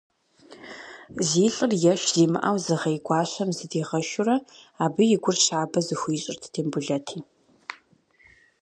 Зи лӏыр еш зимыӏэу зыгъей Гуащэм зыдигъэшурэ, абы и гур щабэ зыхуищӏырт Тембулэти.